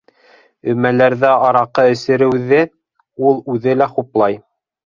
Өмәләрҙә араҡы эсереүҙе ул үҙе лә хуплай.